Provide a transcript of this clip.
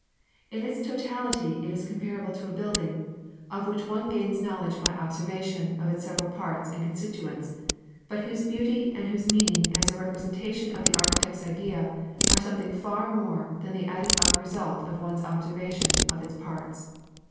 In its totality it is com parable to a building, of which one gains knowledge by 2i8 GUIDE TO STUDY OF CHRISTIAN RELIGION observation of its several parts and constituents, but whose beauty and whose meaning as a representation of the archi tect's idea are something far more than the added up result of one's observation of its parts.